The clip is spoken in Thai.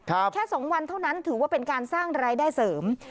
แค่สองวันเท่านั้นถือว่าเป็นการสร้างรายได้เสริม